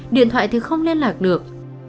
điện thoại thì không liên lạc được